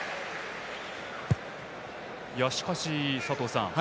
しかし、佐藤さん